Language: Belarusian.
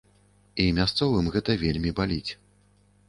І мясцовым гэта вельмі баліць.